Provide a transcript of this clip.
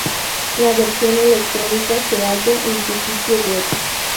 La versión electrónica se halla en su sitio web.